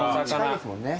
近いですもんね。